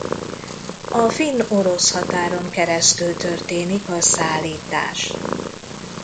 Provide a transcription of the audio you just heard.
A finn-orosz határon keresztül történik a szállítás.